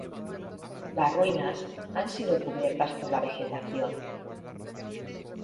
Las ruinas han sido cubiertas por la vegetación.